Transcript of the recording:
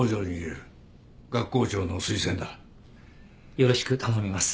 よろしく頼みます。